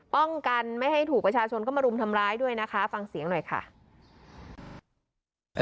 ป้องกันไม่ให้ถูกประชาชนก็มารุมทำร้ายด้วยนะคะฟังเสียงหน่อยค่ะ